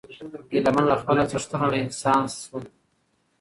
ګیله من له خپل څښتنه له انسان سو